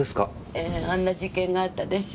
ええあんな事件があったでしょ。